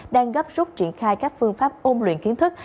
đang gấp rút triển khai các phương pháp ôn luyện kiến thức